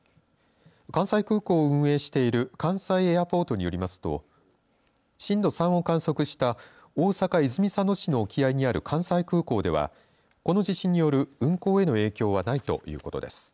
関西空港を運営している関西エアポートによりますと震度３を観測した大阪、泉佐野市の沖合にある関西空港ではこの地震による運航への影響はないということです。